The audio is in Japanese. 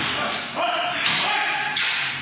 おい！